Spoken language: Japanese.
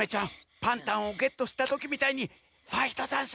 パンタンをゲットしたときみたいにファイトざんす！